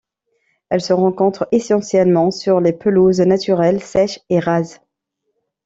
Elle se rencontre essentiellement sur les pelouses naturelles sèches et rases.